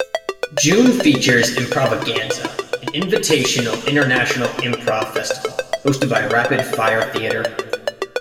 June features Improvaganza, an invitational international improv festival, hosted by Rapid Fire Theatre.